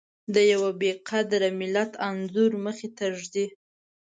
د يوه بې قدره ملت انځور مخې ته ږدي.